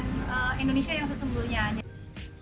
untuk dapat menikmati sensasi kopi kita harus memiliki kekuatan